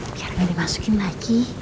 biar gak dimasukin lagi